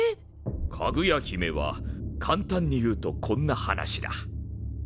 「かぐや姫」は簡単に言うとこんな話だ。